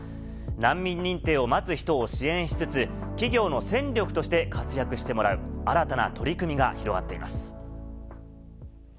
難民認定を待つ人を支援しつつ、企業の戦力として活躍してもらう新たな取り組みが広がっています。